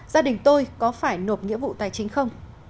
gia đình tôi có phải nộp nghĩa vụ tài chính không